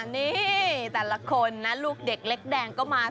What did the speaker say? นี่แต่ละคนนะลูกเด็กเล็กแดงก็มา